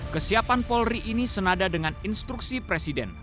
kesiapan polri ini senada dengan instruksi presiden